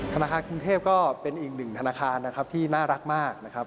ธนาคารกรุงเทพฯก็เป็นอีกหนึ่งธนาคารที่น่ารักมาก